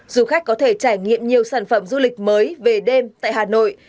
du khách có thể trải nghiệm nhiều sản phẩm du lịch mới về đêm tại hà nội